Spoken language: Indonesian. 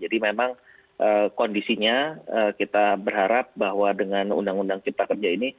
jadi memang kondisinya kita berharap bahwa dengan undang undang cipta kerja ini